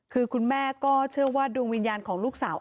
คือคุณแม่ก็เชื่อว่าดวงวิญญาณของลูกสาว